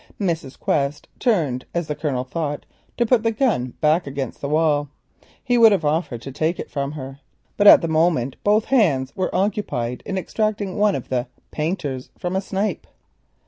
Mrs. Quest turned, as the Colonel thought, to put the gun back against the wall. He would have offered to take it from her but at the moment both his hands were occupied in extracting one of the "painters" from a snipe.